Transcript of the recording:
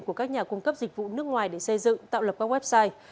của các nhà cung cấp dịch vụ nước ngoài để xây dựng tạo lập các website